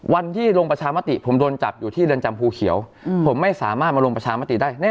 วันที่ลงประชามติผมโดนจับอยู่ที่เรือนจำภูเขียวผมไม่สามารถมาลงประชามติได้